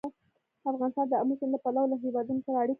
افغانستان د آمو سیند له پلوه له هېوادونو سره اړیکې لري.